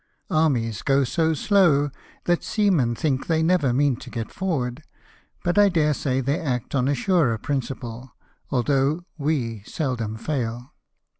Armies go so slow that seamen think they never mean to get forward; but I dare say they act on a surer principle, although we seldom fail."